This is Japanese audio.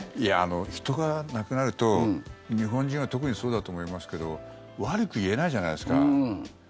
人が亡くなると、日本人は特にそうだと思いますけど悪く言えないじゃないですか。